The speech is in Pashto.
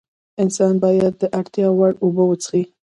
انسان باید د اړتیا وړ اوبه وڅښي